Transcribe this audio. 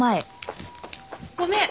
ごめん！